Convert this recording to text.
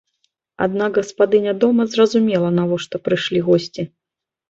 Аднак гаспадыня дома зразумела, навошта прыйшлі госці.